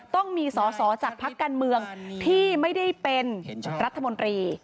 ต้องมีสอสอจากพักการเมืองที่ไม่ได้เป็นรัฐมนตรี